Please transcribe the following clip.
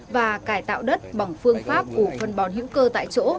và cải tạo đất bằng phương pháp của phân bón hữu cơ tại chỗ